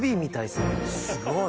すごい。